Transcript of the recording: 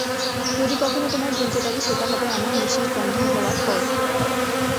যদি কখনো তোমায় ভুলতে পারি, সেটা হবে আমার নিশ্বাস বন্ধ হওয়ার পর।